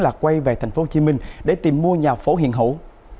là quay về thành phố hồ chí minh để tìm mua nhà phố hiện hữu